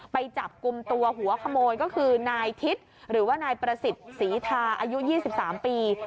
ไปจับกลุ่มตัวหัวขโมยก็คือนายทิศหรือว่านายประสิทธิ์ศรีทาอายุ๒๓ปี